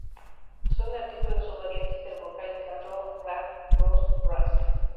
Son el artículo en su variante intervocálica ro, ra, ros, ras.